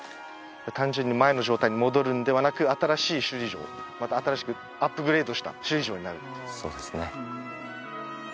単純に前の状態に戻るんではなく新しい首里城また新しくアップグレードした首里城になるそうですね